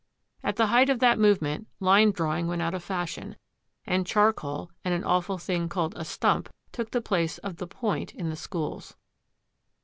At the height of that movement line drawing went out of fashion, and charcoal, and an awful thing called a stump, took the place of the point in the schools.